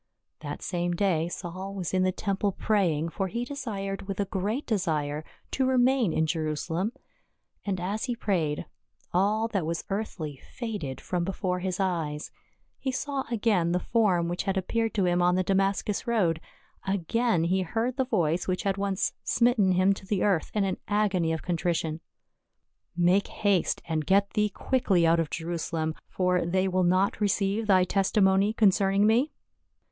That same day Saul was in the temple praying, for he desired with a great desire to remain in Jerusalem. And as he prayed, all that was earthly faded from be fore his eyes. He saw again the form which had appeared to him on the Damascus road, again he heard the voice which had once smitten him to the earth in an agony of contrition —" Make haste, and get thee quickly out of Jerusa lem ; for they will not receive thy testimony concern ing me